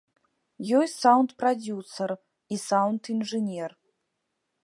Ёсць саўнд-прадзюсар і саўнд-інжынер.